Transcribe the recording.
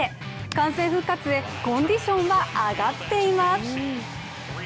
完全復活へコンディションは上がっています。